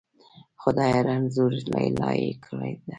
خدایه! رنځوره لیلا یې کړې ده.